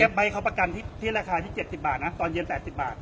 แคมป์ใบด์เขาระคาประกันที่๗๐บาทตอนเย็น๘๐บาท